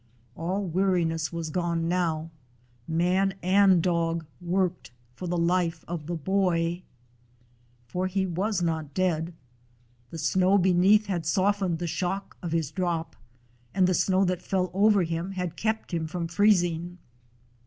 All weariness was gone now; man and dog worked for the life of the boy. For he was not dead. The snow beneath had softened the shock of his drop, and the snow that fell over him had kept him from freezing.